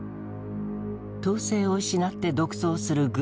統制を失って独走する軍。